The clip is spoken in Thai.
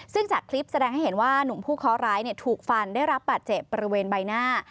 ซึ่งจากคลิปแสดงให้เห็นว่านุ่มผู้เคาะร้ายถูกฟันได้รับบาดเจ็บบริเวณใบหน้า